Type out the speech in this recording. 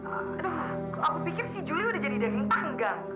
aduh aku pikir si juli udah jadi daging tangga